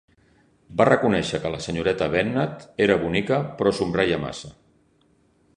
Va reconèixer que la senyoreta Bennett era bonica, però somreia massa.